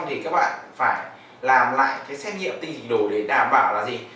thì các bạn phải làm lại cái xét nghiệm tinh trình đổi để đảm bảo là gì